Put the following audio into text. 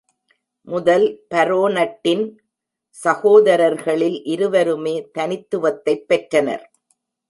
முதல் பரோனட்டின் சகோதரர்களில் இருவருமே தனித்துவத்தைப் பெற்றனர்.